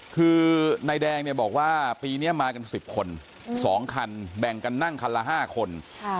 คือนายแดงเนี่ยบอกว่าปีเนี้ยมากันสิบคนสองคันแบ่งกันนั่งคันละห้าคนค่ะ